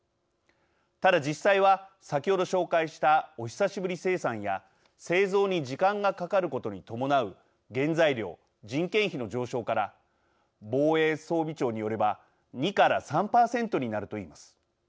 ただ実際は先ほど紹介した「お久しぶり生産」や製造に時間がかかることに伴う原材料・人件費の上昇から防衛装備庁によれば２から３％になると言います。